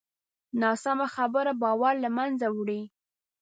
ناسمه خبره باور له منځه وړي